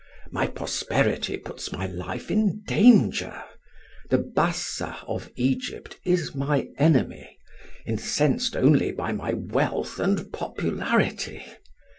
My prosperity puts my life in danger; the Bassa of Egypt is my enemy, incensed only by my wealth and popularity.